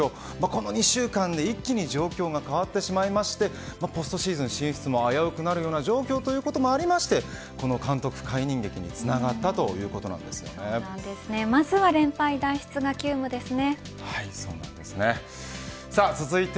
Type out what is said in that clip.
この２週間で一気に状況が変わってしまいましてポストシーズン進出も危うくなる状況ということもあって、この監督解任劇にまずは連敗脱出が急務ですね。